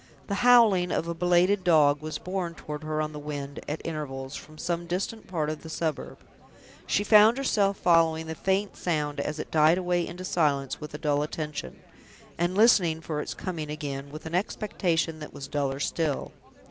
The howling of a belated dog was borne toward her on the wind, at intervals, from some distant part of the suburb. She found herself following the faint sound as it died away into silence with a dull attention, and listening for its coming again with an expectation that was duller still.